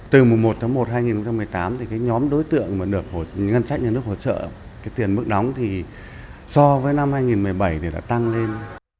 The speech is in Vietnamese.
từ mùa một tháng một hai nghìn một mươi tám nhóm đối tượng được ngân trách nhà nước hỗ trợ tiền mức đóng so với năm hai nghìn một mươi bảy đã tăng lên